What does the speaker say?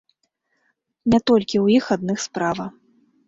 Не толькі ў іх адных справа.